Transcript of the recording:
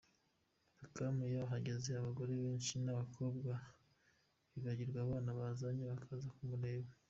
Beckham iyo ahageze abagore benshi n’abakobwa bibagirwa abana bazanye, bakaza kumureba.